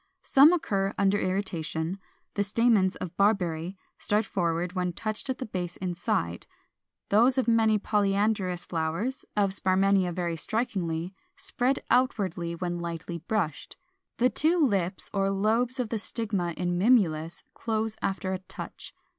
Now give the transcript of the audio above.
Some occur under irritation: the stamens of Barberry start forward when touched at the base inside: those of many polyandrous flowers (of Sparmannia very strikingly) spread outwardly when lightly brushed: the two lips or lobes of the stigma in Mimulus close after a touch.